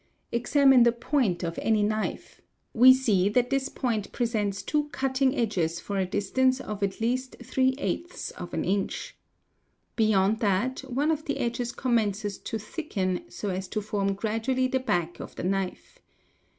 Examine the point of any knife; we see that this point presents two cutting edges for a distance of at least 2 inch. Beyond that, one of the _ edges commencés to thicken so as to form gradually the back of the knife.